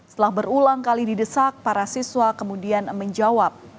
setelah berulang kali didesak para siswa kemudian menjawab